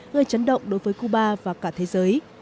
gây chấn động đối với cuba và cả thế giới